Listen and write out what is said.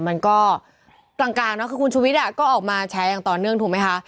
มันก็กลางนะคือคุณชุวิตก็ออกมาแชร์อย่างต่อเนื่องถูกไหมคะ